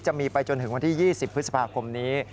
จะมีไปจนถึงวันที่๒๐พฤษภาคมนี้